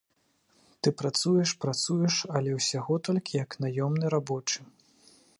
Ты працуеш-працуеш, але ўсяго толькі як наёмны рабочы.